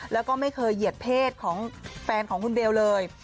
แล้วก็ไม่เคยเหยียดเพศของแฟนของคุณเบลเลย